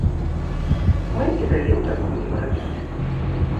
Мы і далей так будзем рабіць.